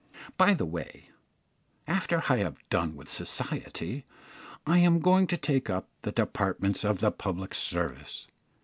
By the way, after I have done with society, I am going to take up the departments of the public service.